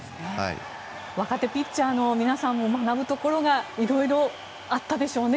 若手ピッチャーの皆さんも学ぶところが色々あったでしょうね。